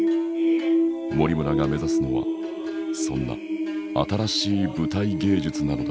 森村が目指すのはそんな新しい舞台芸術なのだ。